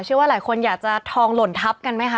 เชื่อว่าหลายคนอยากจะทองหล่นทับกันไหมคะ